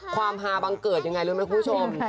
ความฮาบังเกิดยังไงรู้ไหมคุณผู้ชม